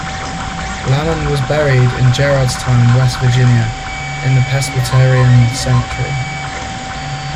Lamon was buried in Gerrardstown, West Virginia, in the Presbyterian Cemetery.